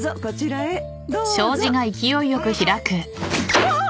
うわっ！